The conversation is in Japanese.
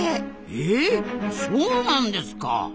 えそうなんですか！？